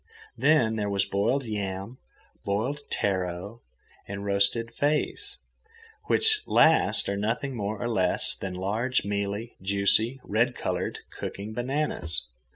Then there was boiled yam, boiled taro, and roasted feis, which last are nothing more or less than large mealy, juicy, red coloured cooking bananas.